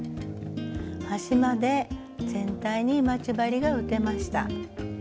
端まで全体に待ち針が打てました。